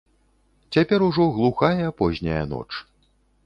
Цяпер ужо глухая позняя ноч.